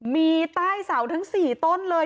มีใต้เสาทั้ง๔ต้นเลย